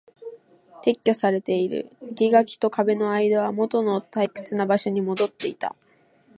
撤去されている。生垣と壁の間はもとの退屈な場所に戻っていた。